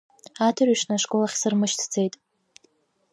Адырҩаҽны ашкол ахь сырмышьҭӡеит.